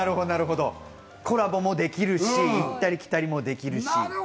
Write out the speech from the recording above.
コラボもできるし、行ったり来たりもできるし。